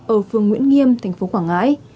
ở phương nguyễn nghiêm thành phố quảng ngãi